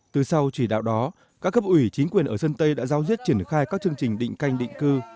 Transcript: từ sau chỉ đạo đó các cấp ủy chính quyền ở sơn tây đã giáo diết triển khai các chương trình định canh định cư